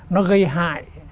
nó gây hại